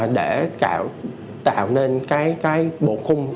để tạo nên bộ khung chất béo